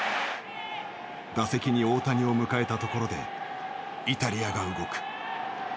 打席に大谷を迎えたところでイタリアが動く。